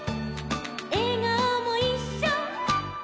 「えがおもいっしょ」